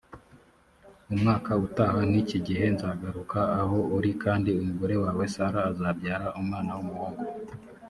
umwaka utaha nk’iki gihe nzagaruka aho uri kandi umugore wawe sara azabyara umwana w’umuhungu